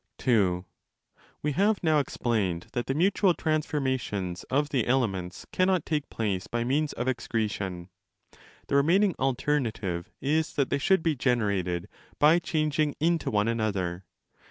7 305° (2) We have now explained that the mutual transforma tions of the elements cannot take place by means of ex cretion. The remaining alternative is that they should be generated by changing into one another.